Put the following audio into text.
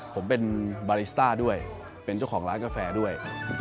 ผมเป็นบาริสต้าด้วยเป็นเจ้าของร้านกาแฟด้วย